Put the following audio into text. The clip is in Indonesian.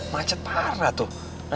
macet parah tuh